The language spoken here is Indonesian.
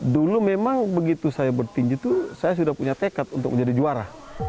dulu memang begitu saya bertinju itu saya sudah punya tekad untuk menjadi juara